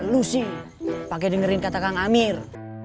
lu sih pakai dengerin kata kang amir